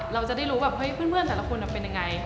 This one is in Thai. เราจะได้รู้แบบเฮ้ยเพื่อนแต่ละคนเป็นยังไง